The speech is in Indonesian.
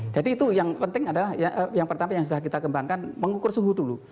jadi itu yang penting adalah yang pertama yang sudah kita kembangkan mengukur suhu dulu